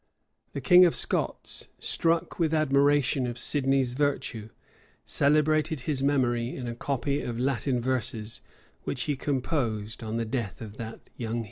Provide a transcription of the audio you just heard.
The king of Scots, struck with admiration of Sidney's virtue, celebrated his memory in a copy of Latin verses, which he composed on the death of that young hero.